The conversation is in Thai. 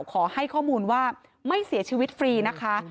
ขอให้ข้อมูลว่าไม่เสียชีวิตฟรีนะคะ